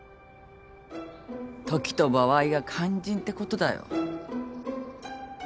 時と場合が肝心ってことだよ。